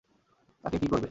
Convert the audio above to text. তাকে কী করবে?